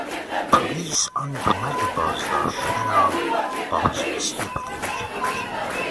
پلیس آن دو مرد بازداشت شده را بازرسی بدنی کرد.